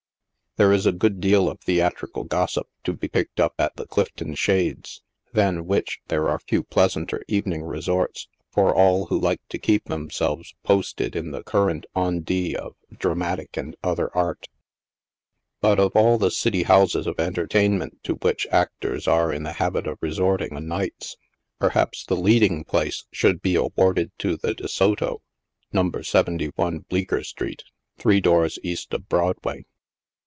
There is a good deal of theatrical gossip to be picked up at the Clifton Shades, than which there are few pleasanter evening resorts for all who like to keep themselves «' posted" in the current on dit of dramatic and other art. But, of all the city houses of entertainment to which actors are in the habit of resorting o' nights, perhaps the leading place should be awarded to the De Soto, No. 71 Bleecker street, three doors east of Broadway.